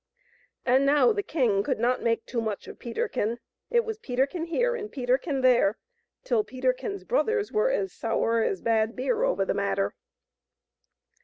And now the king could not make too much of Peterkin. It was Peterkin here and Peterkin there, till Peterkin*s brothers were as sour as bad beer over the matter.